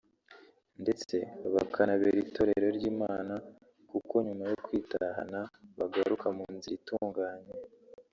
ndetse bakanabera Itorero ry’Imana kuko nyuma yo kwihana bagaruka mu nzira itunganye